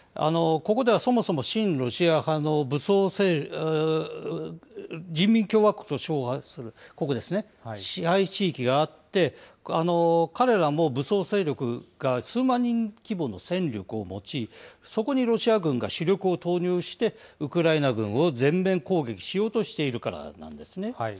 ここではそもそも親ロシア派の人民共和国と称するここですね、支配地域があって、彼らも武装勢力が数万人規模の戦力を持ち、そこにロシア軍が主力を投入して、ウクライナ軍を全面攻撃しようとしているからなんですね。